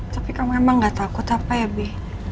tapi kamu emang gak takut apa ya bi